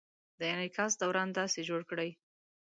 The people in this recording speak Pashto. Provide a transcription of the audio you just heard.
د انعکاس دوران داسې جوړ کړئ: